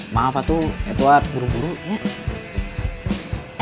maaf atuh edward buru buru ya